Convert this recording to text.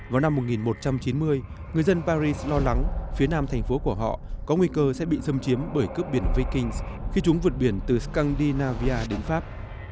vào năm một nghìn chín trăm chín mươi người dân paris lo lắng phía nam thành phố của họ có nguy cơ sẽ bị xâm chiếm bởi cướp biển vikings khi chúng vượt biển từ scandy navia đến pháp